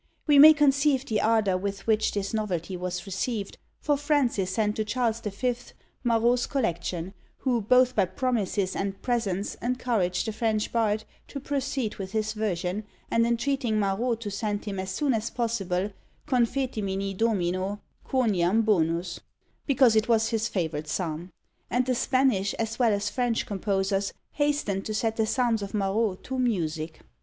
We may conceive the ardour with which this novelty was received, for Francis sent to Charles the Fifth Marot's collection, who both by promises and presents encouraged the French bard to proceed with his version, and entreating Marot to send him as soon as possible Confitemini Domino quoniam bonus, because it was his favourite psalm. And the Spanish as well as French composers hastened to set the Psalms of Marot to music.